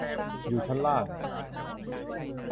อยู่ชั้นล่าง